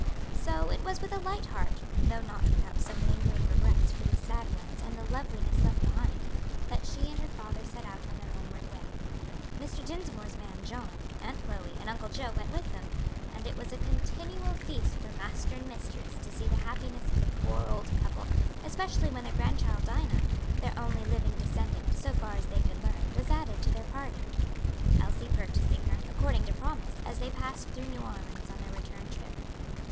So it was with a light heart, though not without some lingering regrets for the sad ones and the loveliness left behind, that she and her father set out on their homeward way. Mr. Dinsmore's man John, Aunt Chloe, and Uncle Joe, went with them; and it was a continual feast for master and mistress to see the happiness of the poor old couple, especially when their grandchild Dinah, their only living descendant so far as they could learn, was added to the party; Elsie purchasing her, according to promise, as they passed through New Orleans on their return trip.